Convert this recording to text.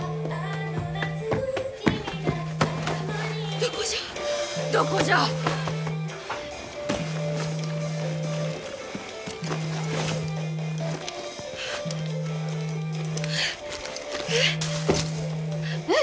どこじゃどこじゃえっえっ